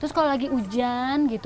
terus kalau lagi hujan gitu